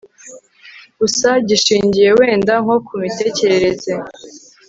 gusa gishingiye wenda nko ku mitekerereze